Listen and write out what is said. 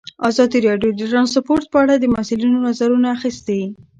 ازادي راډیو د ترانسپورټ په اړه د مسؤلینو نظرونه اخیستي.